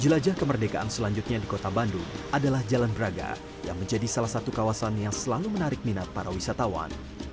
jelajah kemerdekaan selanjutnya di kota bandung adalah jalan braga yang menjadi salah satu kawasan yang selalu menarik minat para wisatawan